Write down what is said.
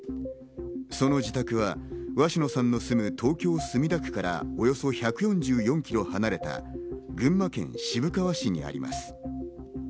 その自宅は鷲野さんの住む東京・墨田区からおよそ１４４ｋｍ離れた群馬県渋川市にあります。